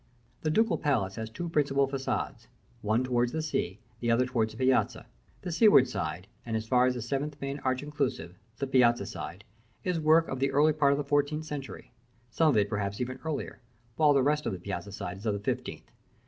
The ducal palace has two principal façades; one towards the sea, the other towards the Piazzetta. The seaward side, and, as far as the seventh main arch inclusive, the Piazzetta side, is work of the early part of the fourteenth century, some of it perhaps even earlier; while the rest of the Piazzetta side is of the fifteenth.